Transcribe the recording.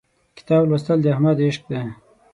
کتاب لوستل د احمد عشق دی.